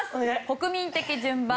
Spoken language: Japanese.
国民的順番。